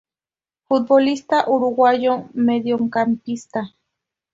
Futbolista uruguayo, mediocampista.